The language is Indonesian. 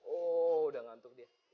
udah ngantuk dia